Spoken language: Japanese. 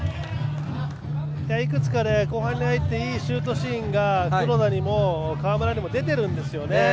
いくつか後半に入っていいシュートシーンが黒田にも川村にも出ているんですよね。